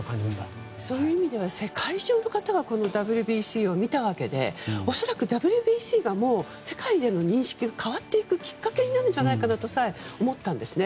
そういう意味では世界中の方がＷＢＣをみたわけで恐らくＷＢＣがもう世界での認識が変わっていくきっかけになるんじゃないかとさえ思ったんですね。